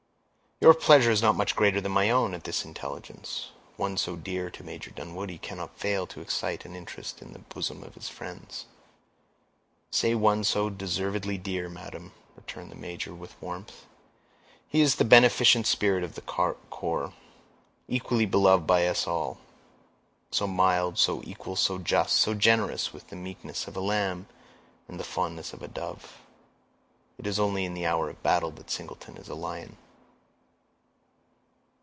"Your pleasure is not much greater than my own at this intelligence. One so dear to Major Dunwoodie cannot fail to excite an interest in the bosom of his friends." "Say one so deservedly dear, madam," returned the major, with warmth. "He is the beneficent spirit of the corps, equally beloved by us all; so mild, so equal, so just, so generous, with the meekness of a lamb and the fondness of a dove—it is only in the hour of battle that Singleton is a lion."